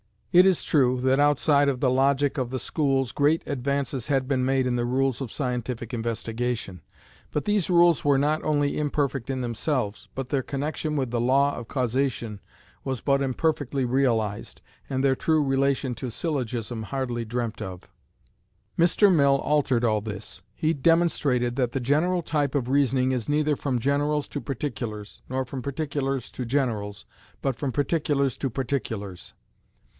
It is true, that outside of the logic of the schools great advances had been made in the rules of scientific investigation; but these rules were not only imperfect in themselves, but their connection with the law of causation was but imperfectly realized, and their true relation to syllogism hardly dreamt of. Mr. Mill altered all this. He demonstrated that the general type of reasoning is neither from generals to particulars, nor from particulars to generals, but from particulars to particulars.